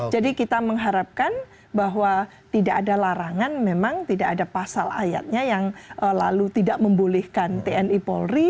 jadi kita mengharapkan bahwa tidak ada larangan memang tidak ada pasal ayatnya yang lalu tidak membolehkan tni polri